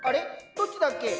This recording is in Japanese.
どっちだっけ？